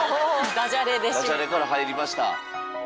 ダジャレからはいりました。